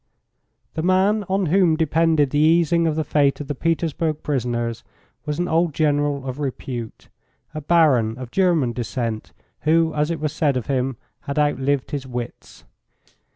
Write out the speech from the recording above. The man on whom depended the easing of the fate of the Petersburg prisoners was an old General of repute a baron of German descent, who, as it was said of him, had outlived his wits.